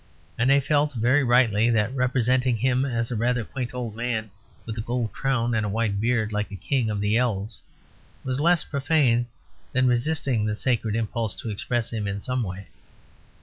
And they felt (very rightly) that representing Him as a rather quaint old man with a gold crown and a white beard, like a king of the elves, was less profane than resisting the sacred impulse to express Him in some way.